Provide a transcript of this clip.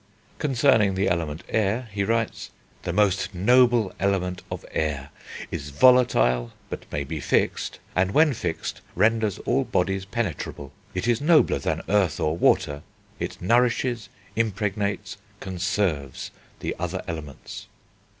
Concerning the element Air, he writes: "The most noble Element of Air ... is volatile, but may be fixed, and when fixed renders all bodies penetrable.... It is nobler than Earth or Water.... It nourishes, impregnates, conserves the other elements."